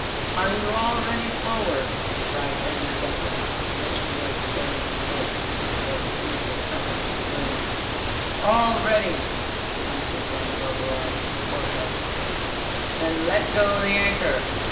" Are you all ready forward ?" cried Van WE BRING UP IN A BAY. 469 derdecken, his rich voice going in notes of deep throated music up into the gloom. " All ready !" answered Van Vogelaar from the forecastle. " Then let go the anchor